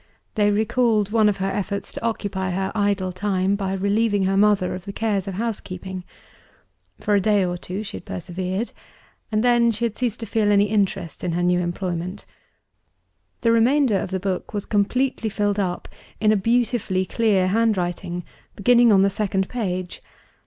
They recalled one of her efforts to occupy her idle time, by relieving her mother of the cares of housekeeping. For a day or two, she had persevered and then she had ceased to feel any interest in her new employment. The remainder of the book was completely filled up, in a beautifully clear handwriting, beginning on the second page.